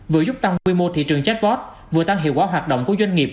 vừa giúp tăng quy mô thị trường chatbot vừa tăng hiệu quả hoạt động của doanh nghiệp